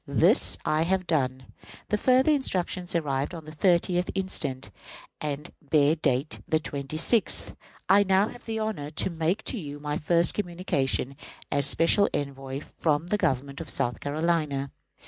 This I have done. The further instructions arrived on the 30th instant and bear date the 26th. I now have the honor to make to you my first communication as special envoy from the government of South Carolina.